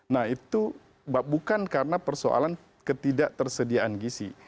nah itu bukan karena persoalan ketidak tersediaan gisi